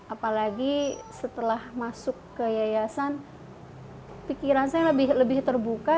apalagi setelah masuk ke yayasan pikiran saya lebih terbuka